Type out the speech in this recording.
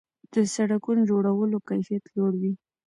د سړکونو جوړولو کیفیت لوړ وي.